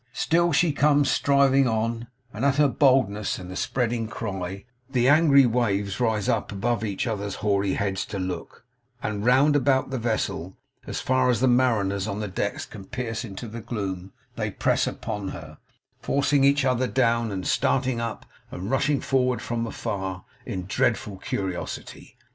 Still she comes striving on; and at her boldness and the spreading cry, the angry waves rise up above each other's hoary heads to look; and round about the vessel, far as the mariners on the decks can pierce into the gloom, they press upon her, forcing each other down and starting up, and rushing forward from afar, in dreadful curiosity.